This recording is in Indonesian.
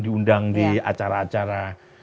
diundang di acara acara